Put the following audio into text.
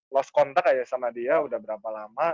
lost contact aja sama dia udah berapa lama